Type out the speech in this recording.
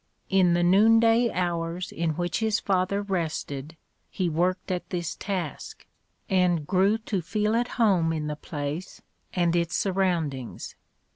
In the noon day hours in which his father rested, he worked at this task, and grew to feel at home in the place and its surroundings.